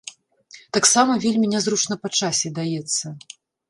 Таксама вельмі нязручна па часе даецца.